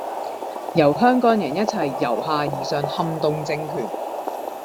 由香港人一齊由下至上撼動政權